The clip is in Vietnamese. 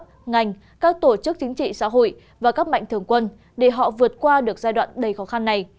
các ngành các tổ chức chính trị xã hội và các mạnh thường quân để họ vượt qua được giai đoạn đầy khó khăn này